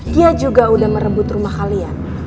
dia juga udah merebut rumah kalian